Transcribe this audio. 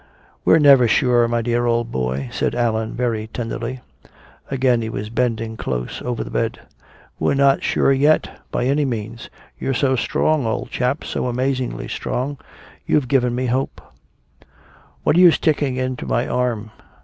"We're never sure, my dear old boy," said Allan very tenderly. Again he was bending close over the bed. "We're not sure yet by any means. You're so strong, old chap, so amazingly strong. You've given me hope " "What are you sticking into my arm?"